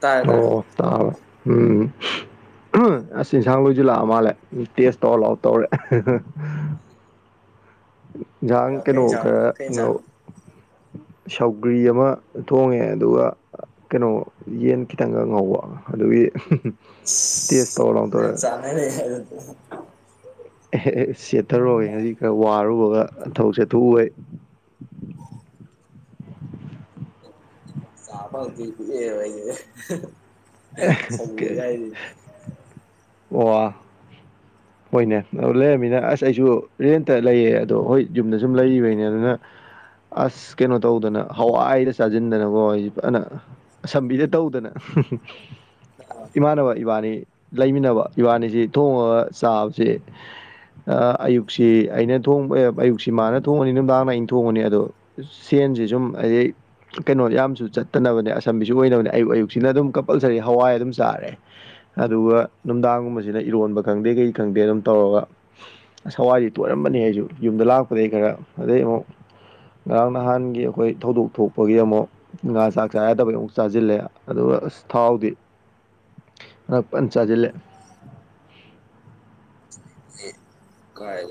ꯇꯥꯏꯌꯦ ꯇꯥꯏꯌꯦ ꯑꯣ ꯇꯥꯕ ꯎꯝ ꯑꯁ ꯏꯟꯁꯥꯡ ꯂꯣꯏꯁꯤꯜꯂꯥꯛꯑ ꯃꯥꯜꯂꯦ ꯇꯦꯁ ꯇꯧꯔ ꯂꯥꯎ ꯇꯧꯔꯦ ꯌꯥꯍꯥꯟ ꯑ ꯀꯩ ꯀꯩꯅꯣ ꯏꯟꯁꯥꯡ ꯈꯔ ꯀꯩ ꯉꯧ ꯏꯟꯁꯥꯡ ꯁꯧꯒ꯭ꯔꯤ ꯑꯃ ꯊꯣꯡꯉꯦ ꯑꯗꯨꯒ ꯀꯩꯅꯣ ꯌꯦꯟ ꯈꯤꯇꯪꯒ ꯉꯧꯕ ꯑꯗꯨꯒꯤ ꯇꯁ ꯇꯧ ꯑꯣꯂꯥꯎꯗ ꯑꯁ ꯆꯥꯅꯔꯦ ꯑꯦ ꯁꯦꯠꯊꯔꯒꯦ ꯉꯖꯤꯛ ꯈꯔ ꯋꯥꯔꯨꯕꯒꯊꯧ ꯆꯦꯊꯣꯛꯎꯩ [unintelligible] ꯆ ꯐ ꯊ [unintelligible] [inaudible] ꯋꯥ [unintelligible] ꯍꯣꯏꯅꯦ ꯑ ꯂꯩꯔꯝꯃꯤꯅ ꯑꯁ ꯑꯩꯁꯨ ꯔꯦꯟꯇ ꯂꯩꯌꯦ ꯑꯗꯣ ꯍꯣꯏ ꯌꯨꯝꯗ ꯁꯨꯝ ꯂꯩꯔꯤꯕꯩꯅꯦ ꯑꯗꯨꯅ ꯑꯁ ꯀꯩꯅꯣ ꯇꯧꯗꯅ ꯍꯋꯥꯏꯗ ꯆꯥꯁꯤꯟꯗꯅꯀꯣ ꯑꯩ ꯑꯅ ꯑꯁꯝꯕꯤꯗ ꯇꯧꯗꯅ ꯏꯃꯥꯟꯅꯕ ꯏꯕꯥꯅꯤ ꯂꯩꯃꯤꯟꯅꯕ ꯏꯕꯥꯅꯤꯁꯤ ꯊꯣꯡꯉꯒ ꯆꯥꯕꯕꯁꯤꯦ ꯑꯌꯨꯛꯁꯤ ꯑꯩꯅꯕ ꯑꯌꯨꯛꯁꯤ ꯃꯥꯅ ꯊꯣꯡꯉꯅꯤ ꯅꯨꯡꯗꯥꯡꯅ ꯑꯩꯅ ꯊꯣꯡꯉꯅꯤ ꯑꯗꯣ ꯁꯨꯝ ꯍꯥꯏ ꯀꯩꯅꯣ ꯌꯥꯝꯁꯨ ꯆꯠꯇꯅꯕꯅꯦ ꯑꯁꯝꯕꯤꯁꯨ ꯑꯣꯏꯅꯅꯦ ꯑꯌꯨꯛ ꯑꯌꯨꯛꯁꯤꯅ ꯑꯗꯨꯝ ꯄꯜꯁꯔꯤ ꯍꯋꯥꯏ ꯑꯗꯨꯝ ꯆꯥꯔꯦ ꯑꯗꯨꯒ ꯅꯨꯡꯗꯥꯡꯒꯨꯝꯕꯁꯤꯅ ꯏꯔꯣꯟꯕ ꯈꯪꯗꯦ ꯀꯩ ꯈꯪꯗꯦ ꯑꯗꯨꯝ ꯇꯧꯔ ꯍꯋꯥꯏꯁꯤ ꯇꯣꯏꯠꯔꯝꯕꯅꯤ ꯑꯩꯁꯨ ꯌꯨꯝꯗ ꯂꯥꯛꯄꯗꯒꯤꯩ ꯈꯔ ꯑꯗꯩ ꯑꯃꯨꯛ ꯉꯔꯥꯡ ꯅꯍꯥꯟꯒꯤ ꯑꯩꯈꯣꯏ ꯊꯧꯗꯣꯛ ꯊꯣꯛꯄꯒꯤ ꯑꯃꯨꯛ ꯉꯥ ꯆꯥꯛ ꯆꯥ ꯌꯥꯗꯕꯒꯤ ꯑꯃꯨꯛ ꯆꯥꯁꯤꯜꯂꯦ ꯑꯗꯨꯒ ꯑꯁ ꯊꯥꯎꯗꯤ ꯑ ꯐꯅ ꯆꯥꯁꯤꯜꯂꯦ ꯀꯥꯏ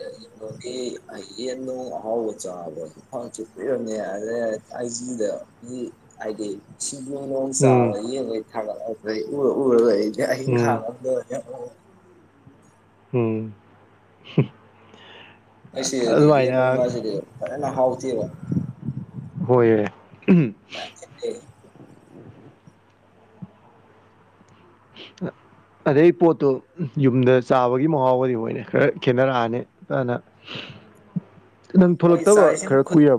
ꯑꯣ ꯍꯕ ꯆꯕ ꯆꯄꯅꯤꯦ ꯌꯥꯔꯦ ꯑꯩꯗ ꯍꯥꯏꯗꯤ ꯣꯡ ꯎꯝ ꯆꯕ ꯊ ꯎꯝ [unintelligible] [inaudible] ꯎꯝ ꯑꯁꯤ ꯑꯗꯨꯃꯥꯏꯅ ꯌꯦꯁꯤꯗꯅ ꯍꯥꯎ ꯊꯕ ꯍꯣꯏ [unintelligible] ꯑ [unintelligible] ꯑꯗꯩ ꯄꯣꯠꯇꯣ ꯌꯨꯝꯗ ꯆꯥꯕꯒꯤ ꯃꯍꯥꯎꯒꯗꯤ ꯃꯣꯏꯅ ꯈꯔ ꯈꯦꯠꯅꯔꯛꯑꯅꯤ ꯐꯅ ꯅꯪ ꯃꯣꯏ ꯊꯣꯂꯛꯇꯕ ꯈꯔ ꯀꯨꯏꯕ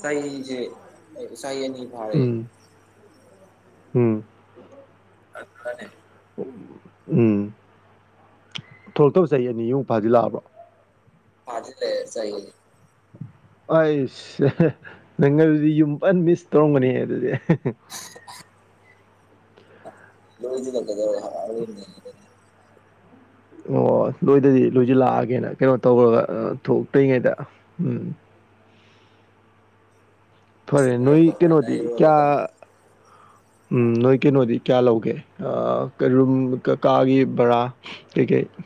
ꯁꯍꯤꯁ ꯁꯍꯤꯅꯤ ꯐꯥꯔꯦ ꯎꯝ ꯎꯝ ꯑꯗꯨ ꯃꯥꯅꯦ ꯎꯝ ꯊꯣꯛꯂꯛꯇꯕ ꯆꯍꯤ ꯑꯅꯤ ꯑꯨꯛ ꯐꯥꯖꯤꯜꯂꯛꯑꯕ꯭ꯔꯣ ꯐꯗ ꯂꯩ ꯆꯥꯏ ꯑꯩꯁꯦ ꯅꯪ ꯑꯗꯨ ꯑꯗꯨꯗꯤ ꯌꯨꯝ ꯄꯜ ꯃꯤꯁ ꯇꯧꯔꯝꯒꯅꯤ ꯑꯗꯨꯗꯤ ꯍ [unintelligible] ꯂ ꯀꯇ [unintelligible] [inaudible] ꯑꯣ ꯂꯣꯏꯗꯗꯤ ꯂꯣꯏꯁꯤ ꯂꯥꯛꯑꯒꯦꯅ ꯀꯩꯅꯣ ꯇꯧꯔꯒ ꯊꯣꯛꯇ꯭ꯔꯤꯉꯩꯗ ꯎꯝ ꯐꯔꯦ ꯅꯣꯏ ꯂꯣꯏꯔꯛꯄ ꯍꯣꯔꯦꯟ ꯀꯩꯅꯣꯗꯤ ꯑꯩꯔꯣꯜꯂꯦ ꯀꯌꯥ ꯇꯧꯅꯤ ꯎꯝ ꯅꯣꯏ ꯀꯩꯅꯣꯗꯤ ꯀꯌꯥ ꯂꯧꯒꯦ ꯔꯨꯝ ꯀꯀꯥꯒꯤ ꯕꯔꯥ ꯀꯩ ꯀꯩ [unintelligible]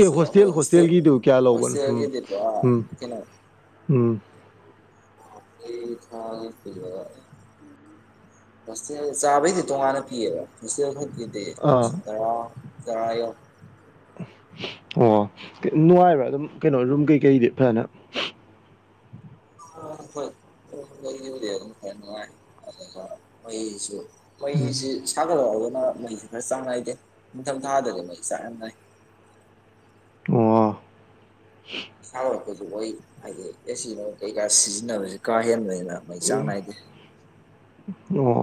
ꯑꯦ ꯍꯣꯁꯇꯦꯜ ꯑꯩꯈꯣꯏ ꯍꯣꯁꯇꯦꯜꯒꯤꯗꯨ ꯀꯌꯥ ꯂꯧꯕꯅꯣ ꯎꯝ ꯍꯣꯁꯇꯦꯜꯒꯤꯗꯤ ꯄꯨꯔꯥ ꯎꯝ ꯀꯩꯅꯣ ꯎꯝ ꯊ ꯉꯁ ꯆꯥꯕꯩꯗꯤ ꯇꯨ ꯃꯥꯅ ꯄꯤꯑꯕ ꯁ ꯏꯗꯦ ꯑꯥ ꯁ ꯇꯔꯥ ꯆꯔ ꯌꯣ ꯑꯣ ꯅꯨꯡꯉꯥꯏꯕ꯭ꯔꯥ ꯑꯗꯨꯝ ꯀꯩꯅꯣ ꯔꯨꯝ ꯀꯩꯀꯩꯗꯤ ꯐꯖꯅ [unintelligible] ꯐ ꯑ ꯃ ꯃꯦ ꯎꯝ ꯁꯥꯒꯣ ꯃꯩꯁꯦ ꯈꯔ ꯆꯥꯡ ꯅꯥꯏꯗꯦ ꯅꯤꯡꯊꯝ ꯊꯥꯗꯗꯤ ꯃꯩꯁꯨ ꯆꯥꯛ ꯏ ꯑ ꯁꯔꯛꯄꯁꯨ ꯑꯣꯏ ꯍꯥꯏꯗꯤ ꯑꯦꯁꯤ ꯀꯩꯀꯥ ꯁꯤꯖꯤꯟꯅꯕꯕꯁꯤ ꯀꯥ ꯍꯦꯟꯕꯅꯤꯅ ꯑꯩꯩ ꯆꯥꯡ ꯅꯥꯏꯗꯦ ꯑꯣ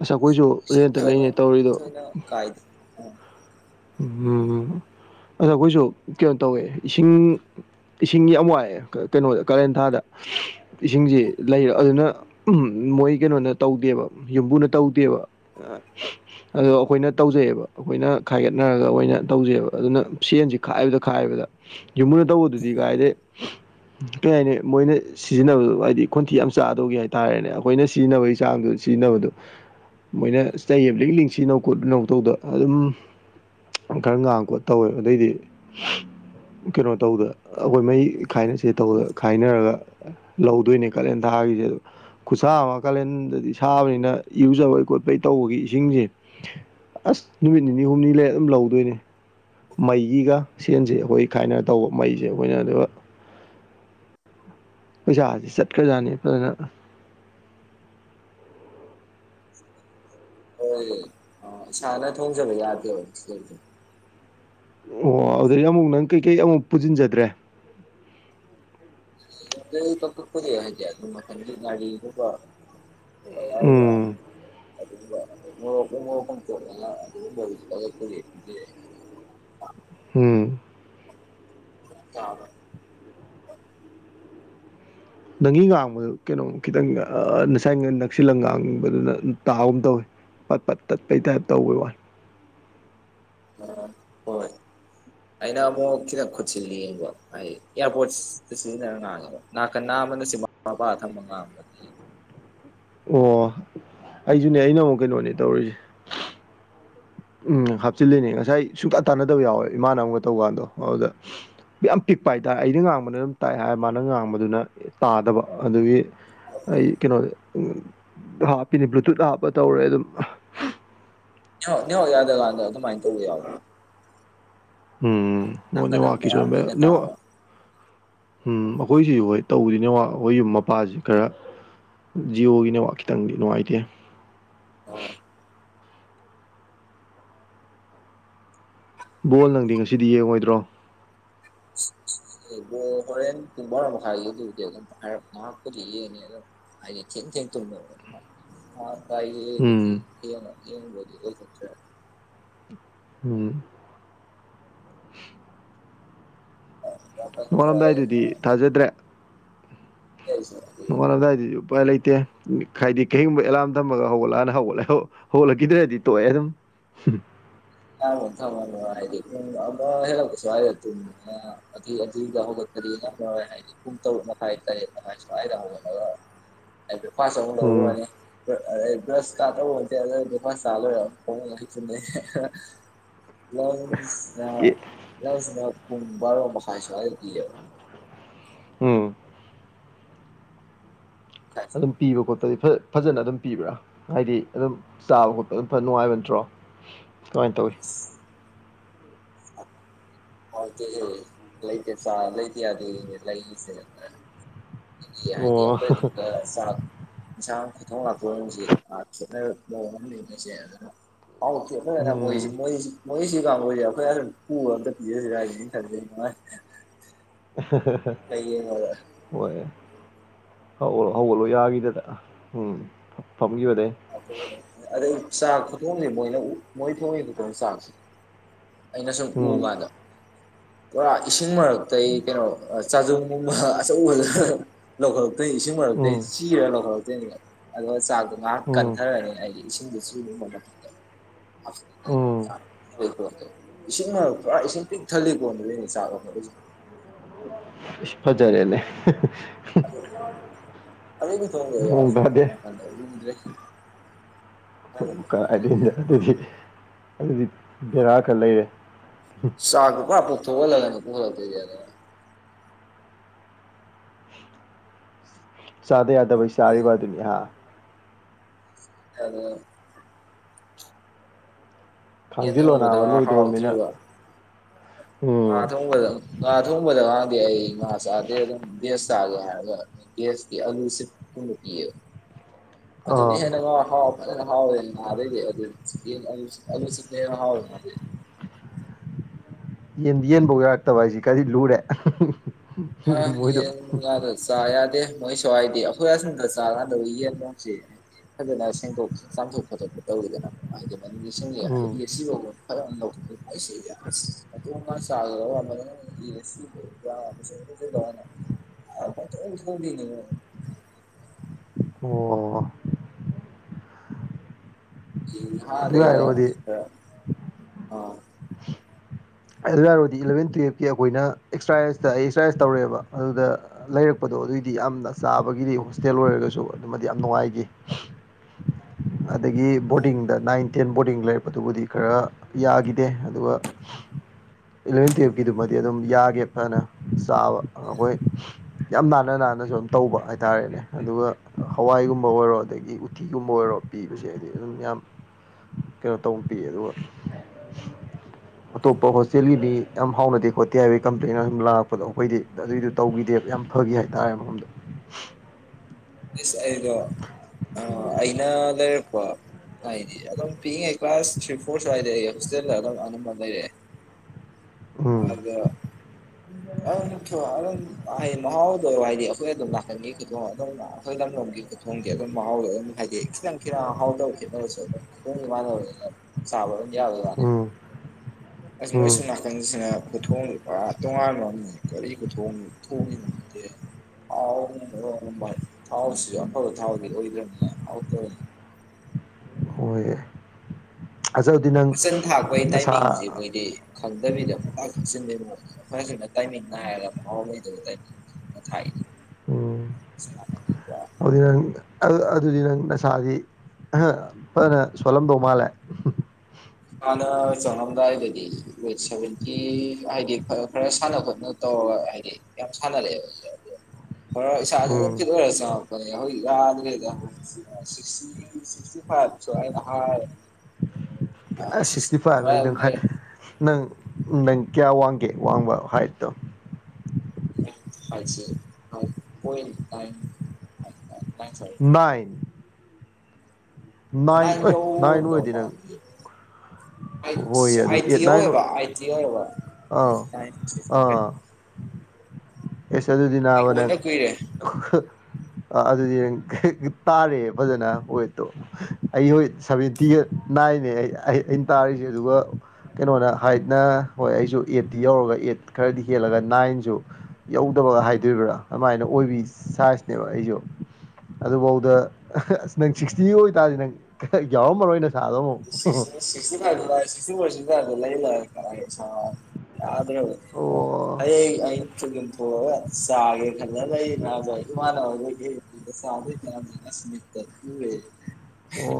ꯑꯁ ꯑꯩꯈꯣꯏꯁꯨ ꯔꯦꯟꯇ ꯂꯩꯅꯤ ꯑꯗꯣ ꯇꯧꯔꯤꯗꯣ ꯊꯣꯏꯅ ꯀꯥꯏꯗꯦ ꯎꯝ ꯍꯝ ꯑꯗꯣ ꯑꯩꯈꯣꯏꯁꯨ ꯀꯩꯅꯣ ꯇꯧꯋꯦ ꯏꯁꯤꯡ ꯏꯁꯤꯡ ꯌꯥꯝ ꯋꯥꯏꯑꯦ ꯀꯩꯅꯣꯗ ꯀꯥꯔꯦꯟ ꯊꯥꯗ ꯏꯁꯤꯡꯁꯤ ꯂꯩꯔ ꯑꯗꯨꯅ ꯎꯝ ꯃꯣꯏ ꯀꯩꯅꯣꯅ ꯇꯧꯗꯦꯕ ꯌꯨꯝꯕꯨꯅ ꯇꯧꯗꯦꯕ ꯑꯗꯣ ꯑꯩꯈꯣꯏꯅ ꯇꯧꯖꯩꯌꯦꯕ ꯑꯩꯈꯣꯏꯅ ꯈꯥꯏꯒꯠꯅꯔꯒ ꯑꯣꯏꯅ ꯇꯧꯖꯩꯕ ꯑꯗꯨꯅ ꯁꯦꯟꯁꯤ ꯈꯥꯏꯕꯗ ꯈꯥꯏꯕꯗ ꯌꯨꯝꯃꯨꯅ ꯇꯧꯕꯗꯨꯗꯤ ꯀꯥꯏꯗꯩ [inaudible] ꯀꯩ ꯍꯥꯏꯅꯤ ꯃꯣꯏꯅ ꯁꯤꯖꯤꯟꯅꯕꯗ ꯍꯥꯏꯗꯤ ꯈꯣꯟꯊꯤ ꯌꯥꯝ ꯆꯥꯗꯧꯒꯦ ꯍꯥꯏꯇꯥꯔꯦꯅꯦ ꯑꯩꯈꯣꯏꯅ ꯁꯤꯖꯤꯟꯅꯕꯒꯤ ꯆꯥꯡꯗꯨ ꯁꯤꯖꯤꯟꯅꯕꯗꯣ ꯃꯣꯏꯅꯌꯦꯞꯂꯤ ꯂꯤꯡꯁꯤꯟꯅꯧ ꯈꯣꯠꯂꯤꯅꯧ ꯇꯧꯗ ꯑꯗꯨꯝ ꯈꯔ ꯉꯥꯡ ꯈꯣꯠ ꯇꯧꯋꯦ ꯑꯗꯩꯗꯤ ꯀꯩꯅꯣ ꯇꯧꯗ ꯑꯩꯈꯣꯏ ꯃꯩ ꯈꯥꯏꯅꯁ ꯇꯧꯗ ꯈꯥꯏꯅꯔꯒ ꯂꯧꯗꯣꯏꯅꯦ ꯀꯠꯂꯦꯟ ꯍꯥꯏꯗ ꯑꯗꯨ ꯈꯨꯠꯁꯥ ꯑꯃ ꯀꯥꯂꯦꯟꯗꯗꯤ ꯁꯥꯕꯅꯤꯅ ꯏꯨꯖꯕꯩ ꯈꯣꯠꯄꯩ ꯇꯧꯕꯒꯤ ꯏꯁꯤꯡꯁꯦ ꯑꯁ ꯅꯨꯃꯤꯠ ꯅꯤꯅꯤ ꯍꯨꯝꯅꯤ ꯂꯩ ꯑꯗꯨꯝ ꯂꯧꯗꯣꯏꯅꯦ ꯃꯩꯒꯤꯒ ꯁꯦꯟꯁꯦ ꯑꯩꯈꯣꯏ ꯈꯥꯏꯅ ꯇꯧꯕ ꯃꯩꯁꯦ ꯑꯩꯈꯣꯏꯅ ꯑꯗꯨꯒ ꯄꯩꯁꯥꯁꯤ ꯆꯠꯈ꯭ꯔꯖꯥꯠꯅꯤ ꯐꯖꯅ ꯍꯣꯏ ꯁꯥꯅ ꯊ ꯍ ꯆꯕ ꯌꯥꯗ ꯑꯣꯏ ꯑꯣ ꯑꯗꯨꯗꯒꯤ ꯑꯃꯨꯛ ꯅꯪ ꯀꯩꯀꯩ ꯑꯃꯨꯛ ꯄꯨꯁꯤꯟꯖꯗ꯭ꯔꯦ ꯄꯗꯤ ꯍꯥꯏꯗꯤ ꯒꯥꯔꯤ ꯌꯥꯏ ꯎꯝ [inaudible] ꯐꯝ ꯇꯔ ꯑꯗꯨ ꯎꯝ [unintelligible] ꯅꯪꯒꯤ ꯉꯥꯡꯕꯗꯨ ꯀꯩꯅꯣꯝ ꯈꯤꯇꯪ ꯉꯁꯥꯏ ꯅꯛꯁꯤꯜꯂ ꯉꯥꯡꯕꯗꯨꯅ ꯇꯥꯒꯨꯝ ꯇꯧꯏꯤ ꯄꯠ ꯄꯠ ꯇꯠ ꯄꯩ ꯇ ꯇꯧꯕ ꯋꯥꯏ ꯑ ꯍꯣꯏ [inaudible] ꯑꯩꯅ ꯑꯃꯨꯛ ꯈꯤꯇꯪ ꯈꯨꯠꯁꯤꯜꯂꯤ ꯌꯦꯡꯕ ꯍꯥꯏ ꯏꯌꯥꯔꯄꯣꯔꯠ ꯁꯤꯖꯤꯟꯅꯔ ꯉꯥꯡꯉꯦꯕ ꯅꯥꯀꯟ ꯅꯥꯕꯅ ꯥ ꯃꯄꯥ ꯊꯪꯕ ꯉꯥꯡꯒꯅꯤ [inaudible] ꯑꯣ ꯑꯩꯁꯨꯅꯦ ꯑꯩꯅ ꯑꯃꯨꯛ ꯀꯩꯅꯣꯅꯦ ꯇꯧꯔꯤꯁꯦ ꯎꯝ ꯍꯥꯞꯆꯤꯜꯂꯤꯅꯦ ꯉꯁꯥꯏ ꯁꯨꯡꯇꯥ ꯇꯥꯟꯅꯗꯕ ꯌꯥꯎꯋꯦ ꯏꯃꯥꯟꯅꯕ ꯑꯃꯒ ꯇꯧꯀꯥꯟꯗꯣ ꯑꯗꯨꯗ ꯌꯥꯝ ꯄꯤꯛꯄ ꯍꯥꯏꯇꯥꯔꯦ ꯑꯩꯅ ꯉꯥꯡꯕꯅ ꯑꯗꯨꯝ ꯇꯥꯛ ꯍꯥꯏ ꯃꯥꯅ ꯉꯥꯡꯕꯗꯨꯅ ꯇꯥꯗꯕ ꯑꯗꯨꯒꯤ ꯑ ꯀꯩꯅꯣ ꯍꯥꯞꯄꯤꯅꯤ ꯕ꯭ꯂꯨꯇꯨꯠ ꯍꯥꯞꯄ ꯇꯧꯔꯦ ꯑꯗꯨꯝ ꯅꯤꯋꯥ ꯅꯦꯋꯥꯛ ꯌꯥꯗ ꯌꯥꯗꯀꯥꯟꯗ ꯀꯃꯥꯏꯅ ꯇꯧꯕ ꯌꯥꯎ ꯎꯝ ꯑꯃꯅ ꯑꯣꯅꯦꯁꯤ ꯌꯥꯝ ꯄꯤꯛꯅ ꯎꯝ ꯇꯥꯕ ꯑꯩꯈꯣꯏꯁꯤ ꯍꯣꯏ ꯇꯧꯗꯅꯦ ꯑꯩꯈꯣꯏꯒꯤ ꯃꯄꯥꯁꯤ ꯈꯔ ꯖꯤꯑꯣꯒꯤꯅꯦ ꯈꯤꯇꯪꯗꯤ ꯅꯨꯡꯉꯥꯏꯇꯦ ꯕꯣꯜ ꯅꯪꯗꯤ ꯉꯁꯤꯗꯤ ꯌꯦꯡꯉꯣꯏꯗ꯭ꯔꯣ ꯕꯨ ꯍꯣꯔꯦꯟ ꯇꯨꯝꯕꯔ ꯃꯈ ꯍꯥꯏꯒ ꯑꯗꯨꯗꯤ ꯑꯗꯨꯝ ꯍꯥꯏꯔ ꯉꯄꯗꯤ ꯌꯦꯡꯉ ꯑ ꯎꯝ ꯍꯥꯏꯗꯤ [inaudible] [inaudible] ꯎꯝ ꯅꯣꯡꯉꯔꯝꯗꯥꯏꯗꯨꯗꯤ ꯊꯥꯖꯗ꯭ꯔꯦ ꯅꯣꯡꯉꯥꯜꯂꯝꯗꯥꯏꯗꯖꯨ ꯎꯄꯥꯏ ꯂꯩꯇꯦ ꯍꯥꯏꯗꯤ ꯀꯩꯒꯨꯝꯕ ꯑꯦꯂꯥꯔꯝ ꯊꯝꯃꯒ ꯍꯧꯒꯠꯂꯛꯑꯅ ꯍꯧꯒꯠ ꯍꯧꯒꯠꯂꯛꯈꯤꯗ꯭ꯔꯗꯤ ꯇꯣꯛꯑꯦ ꯑꯗꯨꯝ ꯁꯤꯔꯤ ꯑ ꯃ ꯊ ꯍꯥꯏꯗꯤ ꯍꯛ ꯀꯁꯨ ꯍꯥꯏꯒ ꯍ꯫ ꯍꯥꯏꯗꯤꯅ ꯊꯥꯏꯋꯥ ꯍꯥꯏꯗꯤ ꯄꯨꯡ ꯇꯔꯨꯛ ꯃꯈꯥꯏ ꯇꯥꯔꯦꯠ ꯃꯈꯥꯏ ꯍꯧꯒꯠꯂꯒ꯫ ꯎꯝ꯫ ꯍꯥꯏ ꯕꯔ꯭ꯦꯛ ꯐꯁ ꯑꯃꯨꯛ ꯂꯧꯔꯨꯅꯤ꯫ ꯑ ꯕꯔ꯭ꯁ ꯀꯥꯇꯕꯨꯗ ꯐꯥꯁ ꯆꯥꯂꯨ ꯌꯥ ꯀꯅꯥ ꯂꯥꯛꯆ ꯅ꯫ ꯂꯥꯟꯁ ꯀ ꯑꯦ ꯂꯥꯟꯁ꯫ ꯄꯨꯡ ꯚꯔꯣ ꯃꯥꯈꯥꯏ ꯁꯨꯋꯥꯏ ꯄꯤꯌꯦ꯫ ꯎꯝ꯫ ꯑꯗꯨꯝ ꯄꯤꯕ ꯈꯣꯠꯄꯗꯤ ꯐ꯫ ꯐꯖꯅ ꯑꯗꯨꯝ ꯄꯤꯕ꯭ꯔꯥ ꯍꯥꯏꯗꯤ ꯑꯗꯨꯝ ꯆꯥꯕ ꯈꯣꯠꯄ ꯑꯗꯨꯝ ꯐ ꯅꯨꯡꯉꯥꯏꯕ ꯅꯠꯇ꯭ꯔꯣ꯫ ꯀꯃꯥꯏꯅ ꯇꯧꯋꯤ꯫ ꯍ ꯂꯩꯇ ꯆ ꯂꯩꯇ ꯌꯥꯗ ꯂꯩꯁꯦ꯫ ꯍꯥꯏꯗꯤ ꯑꯣ ꯑꯩꯈꯣꯏ ꯑꯗꯨꯒ ꯆꯥꯛ ꯑꯦꯟꯁꯥꯡ꯫ ꯏꯊꯧ ꯂꯥꯛꯄꯁꯤ ꯈꯦꯠꯅꯕ ꯃꯑꯣꯡ ꯑꯃ ꯂꯩꯉꯩꯁꯦ ꯑꯗꯨꯅ꯫ ꯍꯥꯎꯇꯦ ꯎꯝ ꯃꯁꯤ ꯃꯁꯤ ꯀ ꯃꯣꯏ꯫ ꯌꯦ ꯌꯥꯒ ꯈꯗ꯫ ꯍꯥ ꯍꯥ꯫ ꯍꯧꯂꯣ ꯍꯧꯒꯠꯂꯣ ꯌꯥꯈꯤꯗꯗ ꯎꯝ꯫ ꯐꯝꯒꯤꯕꯗꯩꯩ꯫ ꯑꯗꯩ ꯆꯥꯛ ꯈꯨꯊꯣꯡꯅꯤ ꯃꯣꯏꯅ ꯃꯣꯏ ꯊꯣꯡꯉ ꯈꯨꯊꯣꯡ ꯆꯥꯛꯁꯤ꯫ ꯑꯩꯅ ꯁꯨꯝ ꯎ ꯎꯝ ꯀꯥꯟꯗ꯫ ꯄꯨꯔꯥ ꯏꯁꯤꯡ ꯃꯔꯛꯇꯒꯤ ꯀꯩꯅꯣ ꯆꯥꯖꯣꯡ ꯅꯨꯡꯕ ꯑꯆꯧꯕ ꯂꯧꯈꯠꯂꯛꯇꯣꯏ꯫ ꯏꯁꯤꯡ ꯃꯔꯛꯇ ꯑꯩ ꯎꯝ ꯆꯤꯔꯒ ꯂꯧꯈꯠꯂꯛꯇꯣꯏꯅꯦꯕ ꯑꯗꯨꯒ ꯆꯥꯛꯇꯣ ꯉꯥꯏꯍꯥꯛ ꯎꯝ ꯀꯟꯊꯔꯅꯤ ꯑꯩꯗꯤ ꯏꯁꯤꯡꯗꯣ ꯆꯦ꯫ ꯑ ꯎꯝ ꯑꯣꯏ ꯀ꯫ ꯏꯁꯤꯡꯅ ꯄꯨꯔꯥ ꯏꯁꯤꯡ ꯄꯤꯛ ꯊꯜꯂꯤ ꯀꯣꯟꯗꯨꯗꯅꯦ ꯆꯥꯕ ꯈꯣꯠꯂꯁ꯫ ꯐꯖꯔꯦꯅꯦ꯫ ꯑꯗꯗꯒꯤ ꯃꯑꯣꯡ ꯑꯗꯨꯝ ꯇꯥꯗꯦ ꯊꯣꯡ ꯑꯗꯗ꯭ꯔꯦ꯫ ꯀ ꯎꯗ꯭ꯔꯦ ꯑꯗꯨꯗꯤ ꯑꯗꯨꯗꯤ ꯕꯦꯔꯥ ꯈꯔ ꯂꯩꯔꯦ꯫ ꯆꯥꯛꯇꯨ ꯀꯄꯨ ꯊꯑꯣ ꯂꯒꯅ ꯄꯔ꯫ ꯆꯥꯗ ꯌꯥꯗꯕꯩ ꯆꯥꯔꯤꯕ ꯑꯗꯨꯅꯤ ꯑꯥ꯫ ꯎꯝ꯫ ꯌꯦꯟ ꯈꯥꯡꯖꯤꯜꯂꯣ ꯊꯣꯡꯕꯗ ꯅꯥꯕ ꯂꯣꯏꯗꯣꯔꯃꯤꯅ꯫ ꯍꯥꯎꯇ꯭ꯔꯤꯕ ꯉꯥ ꯎꯝ ꯊꯣꯡꯕꯗ ꯉꯥ ꯊꯣꯡꯕꯗ ꯉ꯫ ꯑꯩ ꯉꯥ ꯆꯥꯗꯦ ꯑꯗꯨꯝ ꯒꯦꯁ ꯑꯁꯤ ꯀ꯫ [inaudible] ꯑꯗꯨꯅꯤ ꯍꯦꯅꯉꯣ꯫ ꯐꯖꯅꯥ ꯍꯥꯎꯔꯦꯅꯦ ꯉꯥꯗꯩꯩꯗꯤ ꯑꯗꯨꯅ ꯑꯂꯨꯆꯦꯞꯅ꯫ [inaudible] ꯌꯦꯟ ꯌꯦꯟꯐꯧ ꯌꯥꯔꯛꯇꯕ ꯍꯥꯏꯁꯤ ꯀꯗꯤ ꯂꯨꯔꯦ꯫ ꯑ ꯃꯣꯏꯗꯣ ꯌꯦꯟ ꯅꯣꯡ ꯑꯗꯥ ꯌꯥ ꯆꯗꯦ꯫ ꯃꯣꯏ ꯁꯋꯥꯥꯏꯗꯤ ꯑꯩꯈꯣꯏ ꯑꯁꯣꯝꯗ ꯅꯠꯇ ꯆꯥꯂꯗꯦ꯫ ꯐꯖꯅ ꯁꯣꯛꯗꯣꯛ ꯆꯥꯝꯊꯣꯛ ꯈꯣꯠꯇꯣꯛꯄ ꯇꯧꯔꯤꯗꯅ ꯑꯗꯨꯃꯥꯏ ꯎꯝ ꯑꯦ ꯁꯤꯐꯥꯎꯕ ꯈꯔ ꯂꯧꯊꯠ꯫ ꯑꯁꯤꯗꯤ ꯑꯁ ꯃꯇꯣꯡꯒ ꯆꯕꯗ ꯀꯦ ꯏ ꯑꯁꯤꯕ꯫ ꯄꯥꯡꯊꯣꯡ ꯊꯣꯡꯕꯤꯅꯤ꯫ ꯑꯣ ꯗꯦ ꯑꯗꯨ ꯑꯗꯩꯩ ꯍꯥꯏꯔꯨꯔꯗꯤ ꯈꯔꯥ ꯑꯥ꯫ ꯑꯗꯨ ꯌꯥꯔꯗꯤ ꯏꯂꯚꯦꯟ ꯇꯨꯌꯦꯜꯞꯀꯤ ꯑꯩꯈꯣꯏꯅ ꯑꯦꯛꯁꯔꯁꯥꯏꯁꯇ ꯑꯦꯛꯁꯔꯁꯥꯏꯁ ꯇꯧꯔꯛꯑꯦꯕ ꯑꯗꯨꯗ ꯂꯩꯔꯛꯄꯗꯣ꯫ ꯑꯗꯨꯏꯗꯤ ꯌꯥꯝꯅ ꯆꯥꯕꯒꯤꯗꯤ ꯍꯣꯁꯇꯦꯜ ꯑꯣꯏꯔꯒꯁꯨ ꯑꯗꯨꯃꯗꯤ ꯌꯥꯝ ꯅꯨꯡꯉꯥꯏꯈꯤ꯫ ꯑꯗꯒꯤ ꯕꯣꯔꯗꯤꯡꯗ ꯅꯥꯏꯟ ꯇꯦꯟ ꯕꯣꯔꯗꯤꯡ ꯂꯩꯔꯛꯄꯗꯨꯕꯨꯗꯤ ꯈꯔ ꯌꯥꯈꯤꯗꯦ ꯑꯗꯨꯒ꯫ ꯏꯂꯚꯦꯟ ꯇꯨꯌꯦꯞꯀꯤꯗꯨꯃꯗꯤ ꯑꯗꯨꯝ ꯌꯥꯒꯦ ꯐꯅ ꯆꯥꯕ ꯑꯩꯈꯣꯏ ꯌꯥꯝ ꯅꯥꯟꯅ ꯅꯥ꯫ ꯍꯥꯟꯅꯁꯨ ꯑꯗꯨꯝ ꯇꯧꯕ ꯍꯥꯏꯇꯥꯔꯦꯅꯦ ꯑꯗꯨꯒ ꯍꯋꯥꯏꯒꯨꯝꯕ ꯑꯣꯏꯔꯣ ꯑꯗꯒꯤ ꯎꯠꯇꯤꯒꯨꯝꯕ ꯑꯣꯏꯔꯣ꯫ ꯄꯤꯕꯁꯦ ꯍꯥꯏꯗꯤ ꯑꯗꯨꯝ ꯌꯥꯝ ꯀꯩꯅꯣ ꯇꯧꯕ ꯄꯤꯌꯦ ꯑꯗꯨꯒ ꯑꯇꯣꯞꯄ ꯍꯣꯁꯇꯦꯜꯒꯤꯗꯤ ꯌꯥꯝ ꯍꯥꯎꯅꯗꯦ ꯈꯣꯠꯇꯦ ꯍꯥꯏꯕꯒꯤ ꯀꯝꯄ꯭ꯂꯦꯟ ꯑꯗꯨꯨꯝ ꯂꯥꯛꯄꯗꯣ ꯑꯩꯈꯣꯏꯗꯤ ꯑꯗꯨꯒꯤꯗꯨ ꯇꯧꯈꯤꯗꯦꯕ ꯌꯥꯝ ꯐꯈꯤ ꯍꯥꯏꯇꯥꯔꯦ ꯃꯐꯝꯗꯣ ꯁ ꯑꯩꯗꯣ ꯑ ꯑꯩꯅ ꯂꯩꯔꯛꯄ ꯍꯥꯏꯗꯤ ꯑꯗꯨ ꯐꯤꯉꯦ ꯀ꯭ꯂꯥꯁꯔꯤ ꯐꯣꯔꯁꯗꯇꯅꯝꯦ ꯎꯝ ꯑꯗꯨ ꯑꯗꯨꯝ ꯍꯥꯏꯗꯤ ꯃꯍꯥꯎꯗꯣ ꯍꯥꯏꯗꯤ ꯑꯩꯈꯣꯏ ꯑꯗꯨꯝ ꯅꯥꯀꯟꯒꯤ ꯈꯤꯇꯣ ꯑꯗꯨꯝꯣꯏ ꯂꯝ ꯅꯣꯝꯒꯤꯇꯣ ꯊꯣꯡꯗꯤꯦ ꯑꯗꯨꯝ ꯃꯍꯥꯎꯗ ꯑꯗꯨꯝ ꯍꯥꯏꯗꯤ ꯈꯤꯇꯪ ꯈꯤꯇꯪ ꯍꯥꯎꯗꯕ ꯈꯦꯠꯅꯔꯁꯨ ꯑꯗꯨꯝ ꯊꯣꯡꯒ ꯃꯥꯟꯅꯕꯗ ꯆꯥꯕꯗ ꯄꯨꯨꯝꯥꯕ ꯑꯣ ꯑꯁ ꯃꯣꯏꯁꯨ ꯅꯥꯀꯟꯁꯤꯅ ꯈꯨꯊꯣꯡꯁ ꯄꯨꯔꯥ ꯇꯣꯉꯥꯟꯕ ꯑꯃ ꯀꯔꯤ ꯈꯨꯊꯣꯡꯅꯣ ꯊꯣꯡꯉꯤꯅꯣ ꯇꯥꯗꯔꯦ [inaudible] ꯑꯥꯎ ꯚꯥꯏ ꯊꯥꯎꯁꯤꯁꯨ ꯑꯐꯕ ꯊꯥꯎꯗꯤ ꯑꯣꯏꯗ꯭ꯔꯅꯤꯅ ꯑꯥꯎ ꯇꯅꯤ ꯍꯣꯏ ꯑꯁ ꯑꯗꯨꯗꯤ ꯅꯪ ꯋꯥꯖꯟ ꯊꯥꯛꯄ ꯑꯩ ꯅꯁꯥ ꯇꯥꯏꯃꯤꯡꯁꯦ ꯃꯣꯏꯗꯤ ꯈꯪ ꯅꯠꯇꯕꯤꯗ ꯄꯇꯥꯛ ꯀꯞꯆꯤꯟꯗꯣꯏ ꯑꯩꯈꯣꯏꯅ ꯁꯅ ꯇꯥꯏꯃꯤꯡ ꯥꯏꯔꯒ ꯐꯥꯎꯕ ꯂꯩꯩꯗꯕ ꯇꯥꯏꯃꯤꯡ ꯎꯝ ꯊ ꯑꯗꯨꯗꯤ ꯅꯪ ꯑꯗꯨꯗꯤ ꯅꯪ ꯅꯁꯥꯗꯤ ꯐꯅ ꯁꯣꯜꯂꯝꯗꯧ ꯃꯥꯜꯂꯦ ꯇꯥꯁꯦ [inaudible] ꯍꯥꯟꯅ ꯆꯪꯉꯝꯗꯥꯏꯗꯗꯤ ꯋꯦꯠ ꯁꯚꯦꯟꯇꯤ ꯍꯥꯏꯗꯤ ꯈꯔ ꯁꯥꯟꯅ ꯈꯣꯠꯅ ꯇꯧꯔꯒ ꯍꯥꯏꯗꯤ ꯌꯥꯝ ꯁꯥꯟꯅꯔꯛꯑꯦꯕ ꯍꯣꯔ ꯏꯁꯥꯥꯁ ꯑꯗꯨꯝ ꯎꯝ ꯐꯤꯠ ꯑꯣꯏꯔꯁꯨ ꯆꯪꯉꯛꯄꯅꯦ ꯍꯧꯖꯤꯛ ꯌꯥꯗꯗ ꯐꯥꯏꯠꯁꯨ ꯍ ꯁꯨ [inaudible] ꯁꯤꯛꯁꯇꯤ ꯐꯥꯏ ꯑꯗꯨꯝ ꯅꯈꯥꯏ ꯂꯩꯔꯦ ꯅꯪ ꯎ ꯅꯪ ꯀꯌꯥ ꯋꯥꯡꯒꯦ ꯋꯥꯡꯕ ꯍꯥꯏꯠꯇꯣ ꯍꯣꯏ ꯀꯥꯏ ꯏꯟ ꯅꯥꯏꯟ ꯑꯣꯏ ꯅꯥꯏꯟ ꯌꯧꯔꯝꯗꯧ ꯑꯣꯏꯗꯤ ꯅꯪ ꯃꯥꯜꯂꯦ ꯍꯣꯏ ꯑꯗꯨ ꯑꯥꯏ ꯇꯤ ꯑꯦꯠ ꯅꯥꯏꯟ ꯑꯣꯏꯕ ꯑꯥꯏ ꯇꯤ ꯑꯣꯏꯕꯥꯏ ꯑꯥ ꯐꯪꯗꯦ ꯑꯥ ꯑꯦꯁ ꯑꯗꯨꯗꯤ ꯅꯥꯕ ꯅꯪ ꯑꯣꯟꯗ ꯀꯨꯏꯔꯦ ꯑꯗꯨꯗꯤ ꯇꯥꯔꯦ ꯐꯖꯅ ꯋꯦꯠꯇꯣ ꯑꯩ ꯍꯣꯏ ꯁꯚꯦꯟꯇꯤꯒꯠ ꯅꯥꯏ ꯍꯥꯏꯅꯦ ꯑꯩ ꯑꯩꯅ ꯇꯥꯔꯤꯁꯦ ꯑꯗꯨꯒ ꯀꯩꯅꯣꯅ ꯍꯥꯏꯠꯅ ꯍꯣꯏ ꯑꯩꯁꯨ ꯑꯦꯠꯇꯤ ꯌꯧꯔꯒ ꯑꯦꯠ ꯈꯔꯗꯤ ꯍꯦꯜꯂꯒ ꯅꯥꯏꯟꯁꯨ ꯌꯧꯗꯕꯒ ꯍꯥꯏꯗꯣꯔꯤꯕ꯭ꯔꯥ ꯑꯗꯨꯃꯥꯏꯅ ꯑꯣꯏꯕꯤ ꯁꯥꯏꯖꯅꯦꯕ ꯑꯩꯁꯨ ꯑꯗꯨꯐꯥꯎꯗ ꯑꯁ ꯅꯪ ꯁꯤꯛꯁꯇꯤ ꯑꯣꯏꯇꯥꯔꯗꯤ ꯅꯪ ꯌꯥꯎꯔꯝꯃꯔꯣꯏꯅ ꯁ ꯀ [unintelligible] ꯁꯤꯕ ꯁꯤꯗꯗꯂ ꯏꯂ ꯀ ꯌꯥ꯭ꯔꯣ ꯑꯣ ꯍꯌꯦꯡ ꯑꯩꯅꯁꯨꯨ ꯌꯨꯝꯊꯑꯒ ꯆꯥꯒꯦ ꯈꯖ ꯂꯩ ꯅꯕ ꯏꯃꯥꯟꯅꯕꯖꯒ ꯅꯤ ꯑꯁꯃꯤꯠꯇ ꯄꯦ ꯑꯣ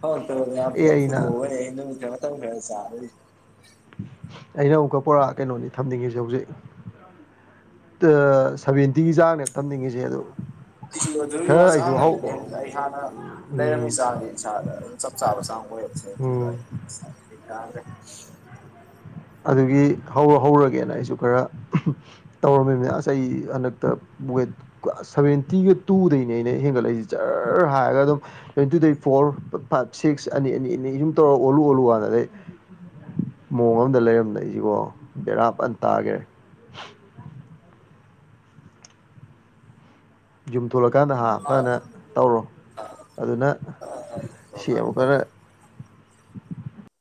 ꯍ ꯇ ꯐꯅ ꯑꯦ ꯑꯩꯅ ꯊ ꯇ ꯍ ꯆꯔ ꯑꯩꯅ ꯑꯃꯨꯛꯀ ꯄꯨꯔꯥ ꯀꯩꯅꯣꯅꯤ ꯊꯝꯅꯤꯡꯉꯤꯁꯦ ꯍꯧꯖꯤꯛ ꯁꯚꯦꯟꯇꯤꯒꯤ ꯆꯥꯡꯅꯦ ꯇꯝꯅꯤꯡꯉꯤꯁꯦ ꯑꯗꯣ ꯑꯩ ꯑꯣꯏꯗꯒꯤ ꯋꯥ ꯈꯔ ꯑꯩꯁꯨ ꯍꯧ ꯆꯥꯡꯉꯅꯤ ꯑꯩ ꯍꯥꯟꯅ ꯂꯩꯔꯝꯃꯤ ꯎꯝ ꯆꯥꯡꯁ ꯏꯁꯥꯗ ꯑꯗꯨꯝ ꯆꯞ ꯆꯥꯕ ꯆꯥꯡ ꯑꯣꯏꯌꯦꯕ ꯎꯝ ꯦꯥ꯭ꯔꯦ [unintelligible] [inaudible] ꯑꯗꯨꯒꯤ ꯍꯧꯔ ꯍꯧꯔꯒꯦꯅ ꯑꯩꯁꯨ ꯈꯔ ꯇꯧꯔꯝꯃꯤꯕꯅꯁ ꯑꯩ ꯍꯟꯗꯛꯇ ꯁꯚꯦꯟꯇꯤꯒ ꯇꯨꯗꯩꯅꯦ ꯑꯩꯅ ꯍꯦꯟꯒꯠꯂꯛꯏꯁꯤꯦ ꯖꯔ ꯍꯥꯏꯔꯒ ꯑꯗꯨꯝ ꯁꯦꯟꯇꯤ ꯇꯨꯗꯩ ꯐꯣꯔ ꯐꯥꯏꯚ ꯁꯤꯛꯁ ꯑꯅꯤ ꯑꯅꯤ ꯑꯅꯤꯨꯝ ꯇꯧꯔ ꯑꯣꯂꯨ ꯑꯣꯜꯂꯨꯀꯅꯗꯩ ꯃꯑꯣ ꯑꯩꯉꯣꯟꯗ ꯂꯩꯔꯝꯗꯏꯁꯤꯀꯣ ꯕꯦꯔꯥ ꯄꯅ ꯇꯥꯈꯔꯦ ꯌꯨꯝ ꯊꯣꯛꯣꯂꯀꯥꯟꯗ ꯍꯥ ꯐꯖꯅ ꯇꯧꯔꯣ ꯑꯗꯨꯅ ꯁꯤ ꯑꯃꯨꯛꯀꯔ